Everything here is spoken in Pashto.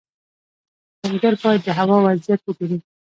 کروندګر باید د هوا وضعیت وګوري.